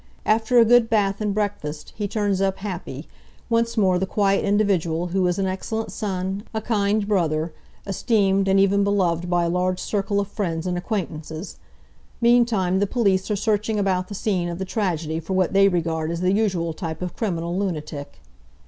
After a good bath and breakfast, he turns up happy, once more the quiet individual who is an excellent son, a kind brother, esteemed and even beloved by a large circle of friends and acquaintances. Meantime, the police are searching about the scene of the tragedy for what they regard as the usual type of criminal lunatic.